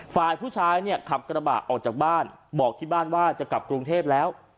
ฝ่ายผู้ชายเนี่ยขับกระบะออกจากบ้านบอกที่บ้านว่าจะกลับกรุงเทพแล้ว